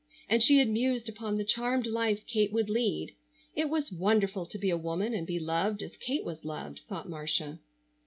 And she had mused upon the charmed life Kate would lead. It was wonderful to be a woman and be loved as Kate was loved, thought Marcia.